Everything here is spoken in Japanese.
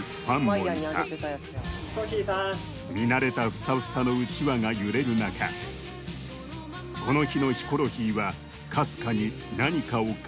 見慣れたフサフサのうちわが揺れる中この日のヒコロヒーはかすかに何かを感じ取っていた